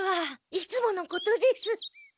いつものことです。